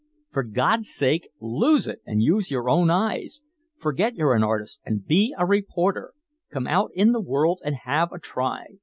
For God's sake lose it and use your own eyes, forget you're an artist and be a reporter, come out in the world and have a try.